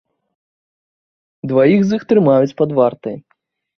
Дваіх з іх трымаюць пад вартай.